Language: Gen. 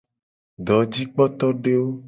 Dojikpotodewo.